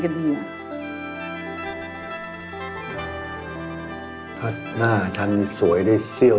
นี่จะทำยังไงกันดีอ่ะ